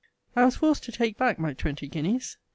I was forced to take back my twenty guineas.